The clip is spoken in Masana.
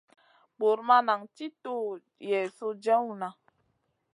Bur ma nan ti tuw Yezu jewna.